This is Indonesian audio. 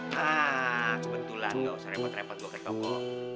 nah kebetulan gak usah repot repot gue ke toko